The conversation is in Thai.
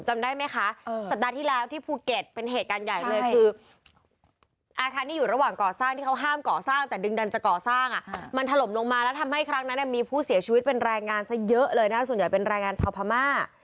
จำได้ไหมคะสัปดาห์ที่แล้วที่ภูเก็ตเป็นเหตุการณ์ใหญ่เลยคืออาคารที่อยู่ระหว่างก่อสร้างที่เขาห้ามก่อสร้างแต่ดึงดันจะก่อสร้างมันถล่มลงมาแล้วทำให้ครั้งนั้นมีผู้เสียชีวิตเป็นแรงงานซะเยอะเลยนะส่วนใหญ่เป็นแรงงานชาวพม่า